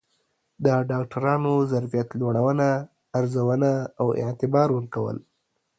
د ډاکترانو ظرفیت لوړونه، ارزونه او اعتبار ورکول